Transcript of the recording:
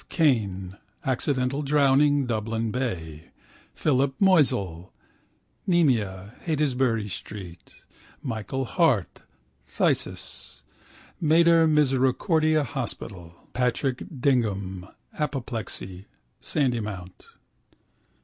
Kane (accidental drowning, Dublin Bay), Philip Moisel (pyemia, Heytesbury street), Michael Hart (phthisis, Mater Misericordiae hospital), Patrick Dignam (apoplexy, Sandymount).